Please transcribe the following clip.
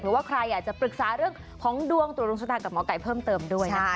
ว่าใครอยากจะปรึกษาเรื่องของดวงตรวจดวงชะตากับหมอไก่เพิ่มเติมด้วยนะคะ